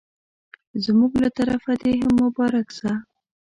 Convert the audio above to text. زموږ له طرفه دي هم مبارک سه